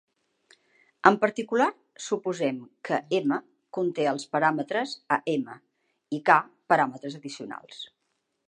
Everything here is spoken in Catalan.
En particular, suposem que "M" conté els paràmetres a "M" i "k" paràmetres addicionals.